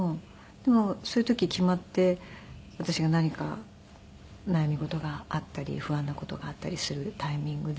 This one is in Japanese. でもそういう時決まって私が何か悩み事があったり不安な事があったりするタイミングで。